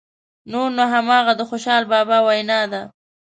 نور نو همغه د خوشحال بابا وینا ده.